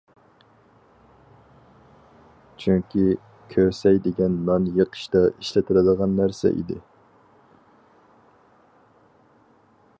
چۈنكى« كۆسەي» دېگەن نان يېقىشتا ئىشلىتىلىدىغان نەرسە ئىدى.